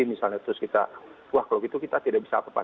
misalnya terus kita wah kalau gitu kita tidak bisa apa apa